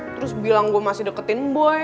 terus bilang gue masih deketin boy